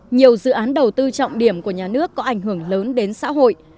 nhiều dự án đầu tư trọng điểm của nhà nước có ảnh hưởng lớn đến xã hội